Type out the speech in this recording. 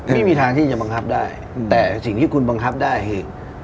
ไม่มีทางที่จะบังคับได้แต่สิ่งที่คุณบังคับได้คือ